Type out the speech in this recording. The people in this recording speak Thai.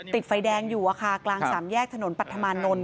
ติดไฟแดงอยู่กลางสามแยกถนนปัธมานนท